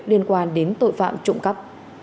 liên quan đến tội phạm trộm cắp